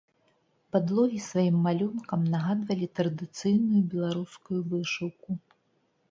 Падлогі сваім малюнкам нагадвалі традыцыйную беларускую вышыўку.